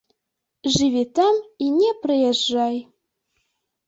Жыві там і не прыязджай.